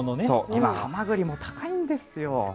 今ハマグリも高いですよ。